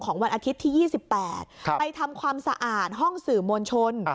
วันอาทิตย์ที่๒๘ไปทำความสะอาดห้องสื่อมวลชน